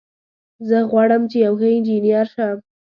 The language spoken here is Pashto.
زه غواړم چې یو ښه انجینر شم